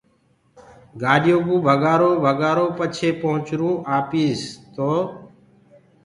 گآڏيو ڪو ڀگآرو بگآرو ڀگآرو پڇي پهنٚچرونٚ آپيٚس تو